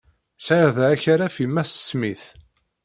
Sɛiɣ da akaraf i Mass Smith.